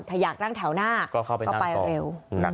ถ้าอยากนั่งแถวหน้าก็ไปเร็ว